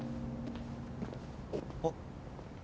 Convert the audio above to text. あっ。